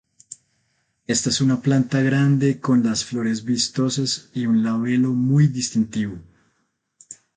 Esta es una planta grande con las flores vistosas y un labelo muy distintivo.